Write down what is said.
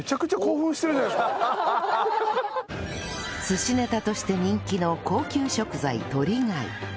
寿司ネタとして人気の高級食材トリガイ